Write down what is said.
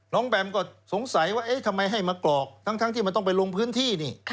แบมก็สงสัยว่าเอ๊ะทำไมให้มากรอกทั้งที่มันต้องไปลงพื้นที่นี่